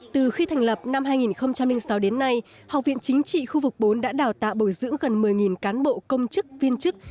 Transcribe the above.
từ khi thành lập năm hai nghìn sáu đến nay học viện chính trị khu vực bốn đã đào tạo bồi dưỡng gần một mươi cán bộ công chức viên chức